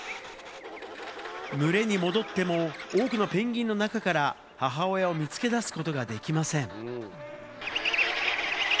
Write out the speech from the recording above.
群れに戻っても多くのペンギンの中から母親を見つけ出すことができません。